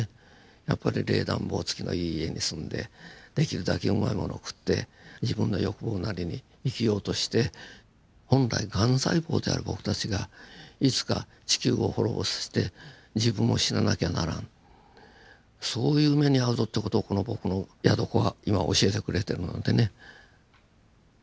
やっぱり冷暖房付きのいい家に住んでできるだけうまいものを食って自分の欲望なりに生きようとして本来ガン細胞である僕たちがいつか地球を滅ぼして自分も死ななきゃならんそういう目に遭うぞって事をこの僕の宿子は今教えてくれてるのでね。